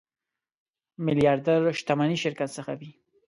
میلیاردر شتمني شرکت څخه وي.